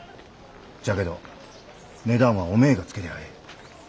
じゃけど値段はおめえがつけりゃあええ。